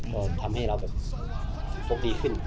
ก็ทำให้เราแบบกรบดีขึ้น